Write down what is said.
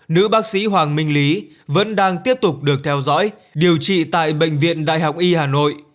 nữ bác sĩ hoàng minh lý vẫn đang tiếp tục được theo dõi điều trị tại bệnh viện đại học y hà nội